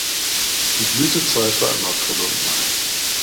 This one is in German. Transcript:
Die Blütezeit war im April und Mai.